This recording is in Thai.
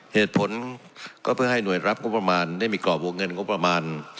เหตุผลก็เพื่อให้หน่วยรับงบประมาณได้มีกรอบวงเงินงบประมาณ